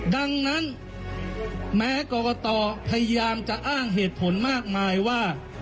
ดังนั้นแม้กรกตพยายามจะอ้างเหตุผลมากมายว่า